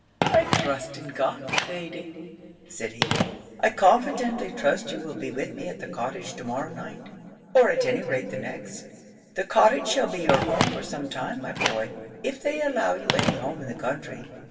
"I trust in God, Thady," said he, "I confidently trust you will be with me at the Cottage to morrow night, or at any rate the next. The Cottage shall be your home for some time, my boy, if they allow you any home in the country.